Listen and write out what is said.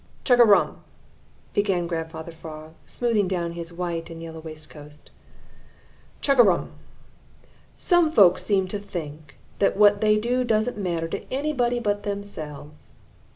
"Chug a rum!" began Grandfather Frog, smoothing down his white and yellow waistcoat. "Chug a rum! Some folks seem to think that what they do doesn't matter to anybody but themselves.